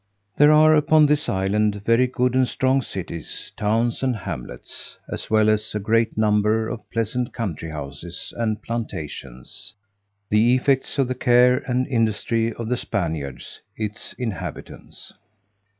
There are upon this island very good and strong cities, towns, and hamlets, as well as a great number of pleasant country houses and plantations, the effects of the care and industry of the Spaniards its inhabitants.